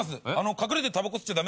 隠れてタバコ吸っちゃダメ。